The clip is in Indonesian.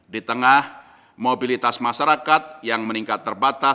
di tengah mobilitas masyarakat yang meningkat terbatas